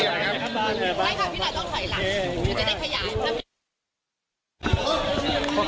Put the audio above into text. สามสอง